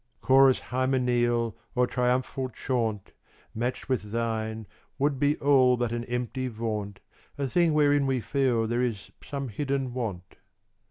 Chorus hymeneal Or triumphal chaunt, Match'd with thine, would be all But an empty vaunt A thing wherein we feel there is some hidden want.